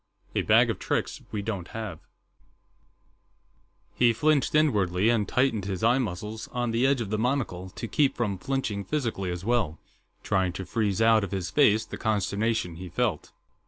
A Bag of Tricks We Don't Have He flinched inwardly, and tightened his eye muscles on the edge of the monocle to keep from flinching physically as well, trying to freeze out of his face the consternation he felt.